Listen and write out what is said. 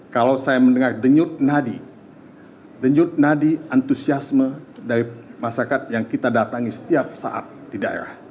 kalau saya mendengar denyut nadi denyut nadi antusiasme dari masyarakat yang kita datangi setiap saat di daerah